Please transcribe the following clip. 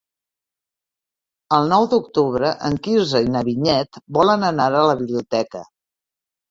El nou d'octubre en Quirze i na Vinyet volen anar a la biblioteca.